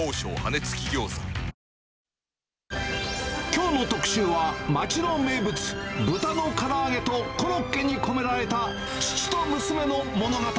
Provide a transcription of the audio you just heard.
きょうの特集は、町の名物、豚のから揚げとコロッケに込められた父と娘の物語。